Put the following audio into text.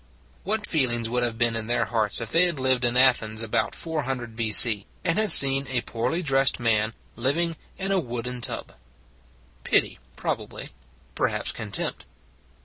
What feelings would have been in their hearts if they had lived in Athens about 400 B. c., and had seen a poorly dressed man living in a wooden tub? Pity, probably : perhaps contempt.